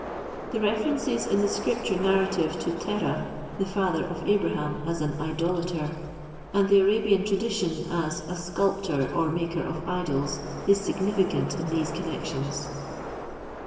The references in the scripture narrative to Terah, the father of Abraham, as an idolator, and the Arabian tradition as a sculptor or maker of idols, is significant in these connections.